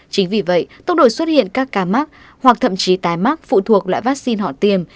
chính vì vậy tốc độ xuất hiện các ca mắc hoặc thậm chí tái mắc phụ thuộc lại vaccine họ tiêm